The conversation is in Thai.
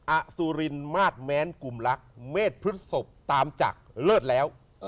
อัสุรินมาสแมนกุมรักเมตรพระทศพตามจักรเลิศแล้ว